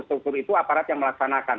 struktur itu aparat yang melaksanakan